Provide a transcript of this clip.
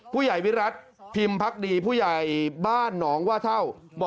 ผู้ใหญ่วิรัติพิมพ์พักดีผู้ใหญ่บ้านหนองว่าเท่า